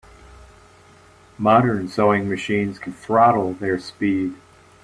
Modern sewing machines can throttle their speed.